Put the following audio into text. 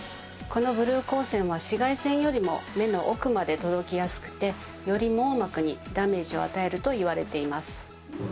このブルー光線は紫外線よりも目の奥まで届きやすくてより網膜にダメージを与えるといわれています。